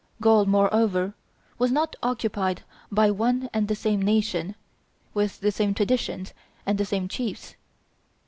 Gaul, moreover, was not occupied by one and the same nation, with the same traditions and the same chiefs.